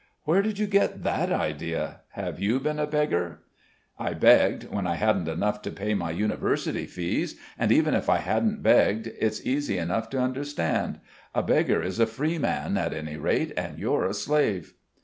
"Where did you get that idea? Have you been a beggar?" "I begged, when I hadn't enough to pay my university fees; and even if I hadn't begged it's easy enough to understand. A beggar is a free man, at any rate, and you're a slave."